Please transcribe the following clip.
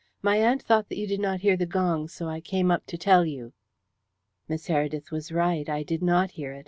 "My aunt thought that you did not hear the gong, so I came up to tell you." "Miss Heredith was right I did not hear it.